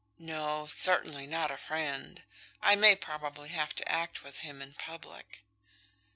"No, certainly not a friend. I may probably have to act with him in public."